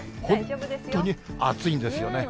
本当に暑いんですよね。